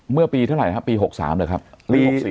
เมื่อปีเท่าไหร่ครับปี๖๓หรือครับปี๖๔